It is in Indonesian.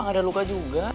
nggak ada luka juga